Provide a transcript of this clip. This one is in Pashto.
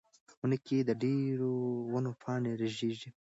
په مني کې د ډېرو ونو پاڼې رژېږي.